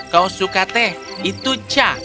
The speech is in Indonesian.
kau suka teh itu ca